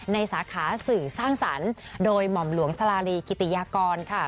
สาขาสื่อสร้างสรรค์โดยหม่อมหลวงสลาลีกิติยากรค่ะ